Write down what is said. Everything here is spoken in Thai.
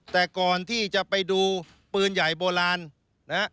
แต่ก่อนที่จะไปดูปืนใหญ่โบราณนะฮะ